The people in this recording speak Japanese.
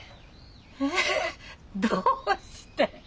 えどうして？